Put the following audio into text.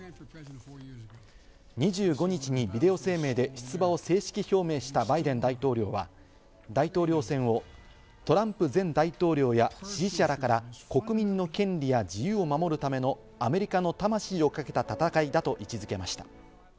２５日にビデオ声明で出馬を正式表明したバイデン大統領は大統領選をトランプ前大統領や支持者らから国民の権利や自由を守るためのアメリカの魂をかけた戦いだと位置付けました。